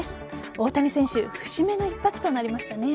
大谷選手節目の一発となりましたね。